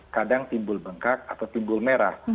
kadang timbul bengkak atau timbul merah